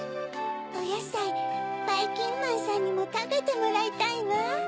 おやさいばいきんまんさんにもたべてもらいたいわ。